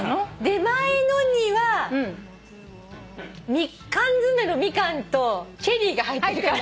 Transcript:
出前のには缶詰のミカンとチェリーが入ってる。